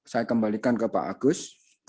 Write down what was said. saya kembalikan ke pak agus